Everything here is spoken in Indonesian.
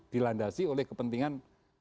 dilandasi oleh kepentingan